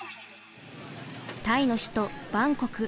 タイの首都バンコク。